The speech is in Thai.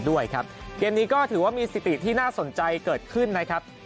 ด้วยครับเกมนี้ก็ถือว่ามีสติที่น่าสนใจเกิดขึ้นนะครับ